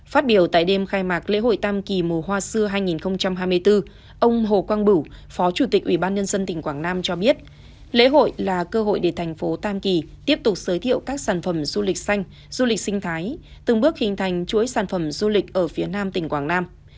phát biểu tại đêm khai mạc lễ hội tam kỳ mùa hoa xưa hai nghìn hai mươi bốn ông hồ quang bửu phó chủ tịch ủy ban nhân dân tỉnh quảng nam cho biết lễ hội là cơ hội để thành phố tam kỳ tiếp tục giới thiệu các sản phẩm du lịch xanh du lịch sinh thái từng bước hình thành chuỗi sản phẩm du lịch ở phía nam tỉnh quảng nam